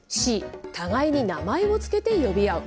Ｃ、互いに名前を付けて呼び合う。